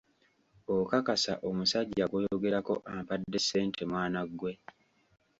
Okakasa omusajja gwoyogerako ampadde ssente mwana gwe?